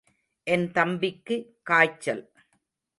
என் தம்பிக்கு காய்ச்சல்.